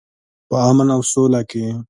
په امن او سوله کې.